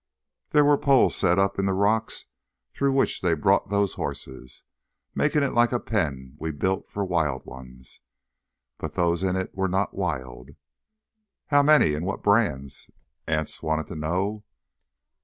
There were poles set up in the rocks through which they brought those horses—making it like a pen we build for wild ones. But those in it were not wild." "How many—an' what brands?" Anse wanted to know.